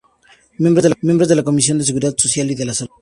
Miembro de la Comisión de seguridad social y de la salud.